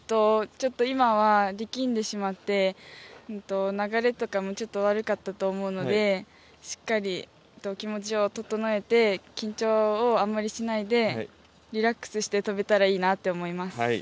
今は力んでしまって流れとかもちょっと悪かったと思うのでしっかり、気持ちを整えて緊張をあまりしないでリラックスして飛べたらいいなと思います。